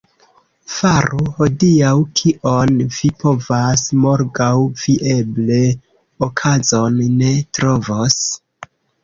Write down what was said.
Faru hodiaŭ, kion vi povas, — morgaŭ vi eble okazon ne trovos.